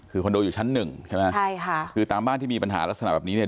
คือคอนโดอยู่ชั้นหนึ่งใช่ไหมใช่ค่ะคือตามบ้านที่มีปัญหาลักษณะแบบนี้เนี่ย